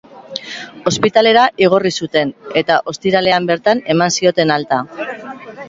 Ospitalera igorri zuten, eta ostiralean bertan eman zioten alta.